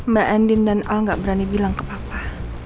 mbak endin dan al gak berani bilang ke papa